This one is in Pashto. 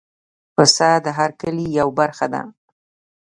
پسه د هر کلي یو برخه ده.